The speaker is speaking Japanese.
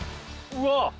うわっ！